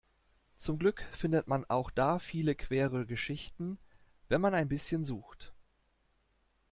Zum Glück findet man auch da viele queere Geschichten, wenn man ein bisschen sucht.